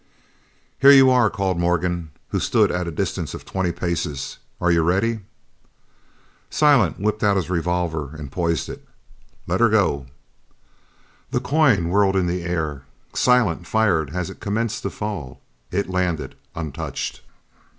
"Here you are," called Morgan, who stood at a distance of twenty paces, "are you ready?" Silent whipped out his revolver and poised it. "Let 'er go!" The coin whirled in the air. Silent fired as it commenced to fall it landed untouched.